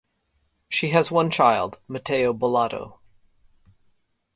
She has one child Mateo Bolado.